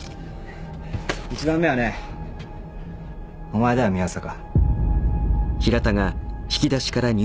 １番目はねお前だよ宮坂。